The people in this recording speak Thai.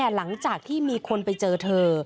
หลังจากที่มีคนไปเจอเธอ